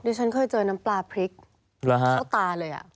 ฉันเคยเจอน้ำปลาพริกเข้าตาเลย